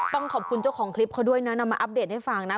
ต้องขอบคุณเจ้าของคลิปเขาด้วยนะนำมาอัปเดตให้ฟังนะ